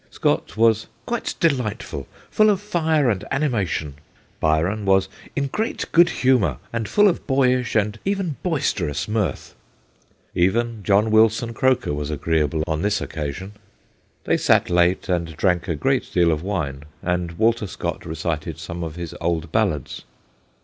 Scott was ' quite delightful, full of fire and anima tion '; Byron was ' in great good humour, and full of boyish and even boisterous mirth '; even John Wilson Croker was agreeable on this occasion. They sat late, and drank a great deal of wine, and Walter Scott recited some of his old ballads.